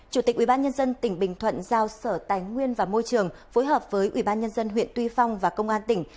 chủ tịch ubnd tỉnh bình thuận giao sở tài nguyên và môi trường phối hợp với ubnd huyện tuy phong và công an tỉnh